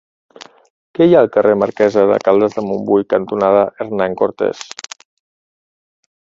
Què hi ha al carrer Marquesa de Caldes de Montbui cantonada Hernán Cortés?